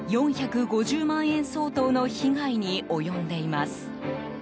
４５０万円相当の被害に及んでいます。